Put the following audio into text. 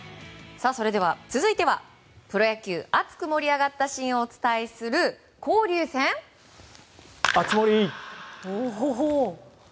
それでは、続いてはプロ野球熱く盛り上がったシーンをお伝えする熱盛！